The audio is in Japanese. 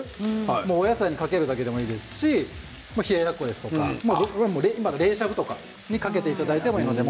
野菜にかけるだけでもいいですし冷ややっこですとか冷しゃぶとかにかけていただいても大丈夫です。